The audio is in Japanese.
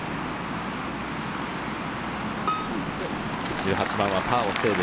１８番はパーをセーブ。